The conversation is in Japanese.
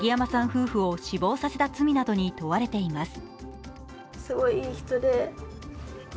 夫婦を死亡させた罪などに問われています。